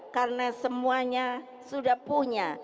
karena semuanya sudah punya